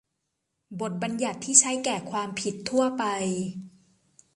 บทบัญญัติที่ใช้แก่ความผิดทั่วไป